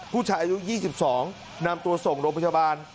ผู้ชายอายุ๒๒นำตัวส่งโรงพยาบาล